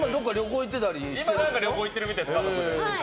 今、旅行行ってるみたいです。